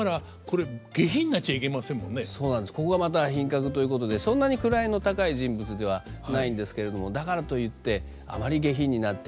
ここがまた品格ということでそんなに位の高い人物ではないんですけれどもだからといってあまり下品になってはいけない。